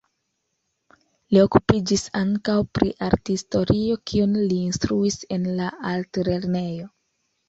Li okupiĝis ankaŭ pri arthistorio, kiun li instruis en la altlernejo.